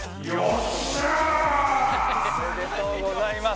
おめでとうございます。